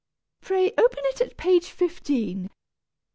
Pray open it at page fifteen.